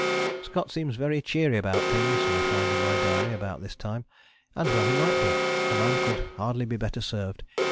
" "Scott seems very cheery about things," I find in my diary about this time. And well he might be. A man could hardly be better served.